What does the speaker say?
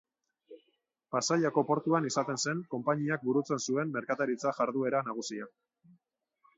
Pasaiako portuan izaten zen konpainiak burutzen zuen merkataritza jarduera nagusia.